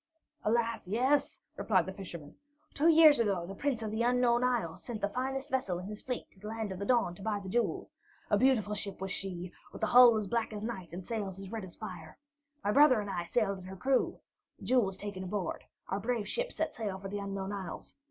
"Alas, yes," replied the fisherman. "Two years ago the Prince of the Unknown Isles sent the finest vessel in his fleet to the Land of the Dawn to buy the jewel. A beautiful ship was she, with a hull as black as night and sails as red as fire. My brother and I sailed in her crew. The jewel was taken aboard. Our brave ship set sail for the Unknown Isles.